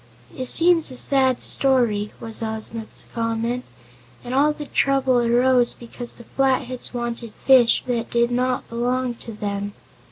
"It seems a sad story," was Ozma's comment, "and all the trouble arose because the Flatheads wanted fish that did not belong to them."